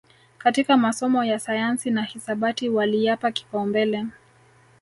katika masomo ya sayansi na hisabati waliyapa kipaumbele